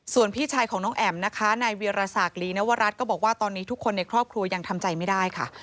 ส่วนพี่ชายของน้องแอ๋มนะคะนายเวียรศักดินวรัฐก็บอกว่าตอนนี้ทุกคนในครอบครัวยังทำใจไม่ได้ค่ะ